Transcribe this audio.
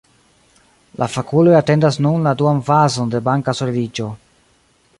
La fakuloj atendas nun la duan fazon de banka solidiĝo.